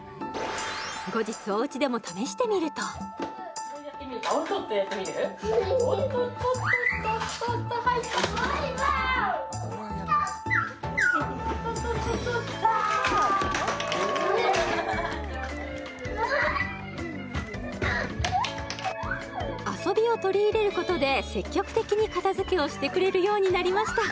後日おうちでも試してみるとおっとっとっとだ遊びを取り入れることで積極的に片付けをしてくれるようになりました